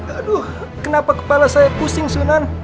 aduh kenapa kepala saya pusing sunan